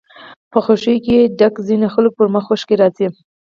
په خوښيو کې د ځينو خلکو پر مخ اوښکې راځي